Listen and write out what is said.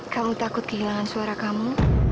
kamu takut kehilangan suara kamu